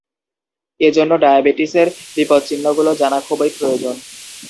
এ জন্য ডায়াবেটিসের বিপদ-চিহ্নগুলো জানা খুবই প্রয়োজন।